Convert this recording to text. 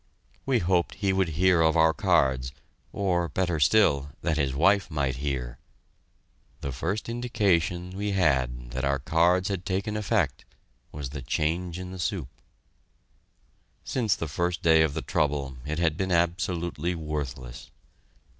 We hoped he would hear of our cards or, better still, that his wife might hear. The first indication we had that our cards had taken effect was the change in the soup. Since the first day of the trouble, it had been absolutely worthless.